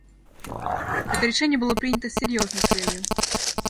Это решение было принято с серьезной целью.